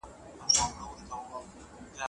که سویچ وي نو کنټرول نه ورکیږي.